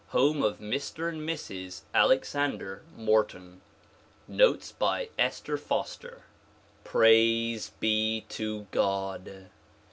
Home of Mr. and Mrs. Alexander Morten. Notes by Esther Foster iRAISE be to God!